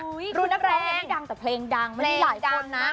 คือนักร้องไม่ได้ดังแต่เพลงดังไม่ได้หลายคนนะ